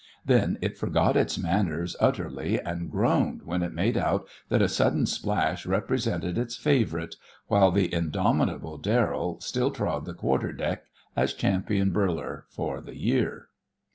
Then it forgot its manners utterly and groaned when it made out that a sudden splash represented its favourite, while the indomitable Darrell still trod the quarter deck as champion birler for the year.